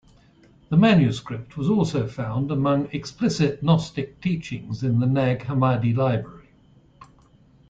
The manuscript was also found among explicit gnostic teachings in the Nag Hammadi Library.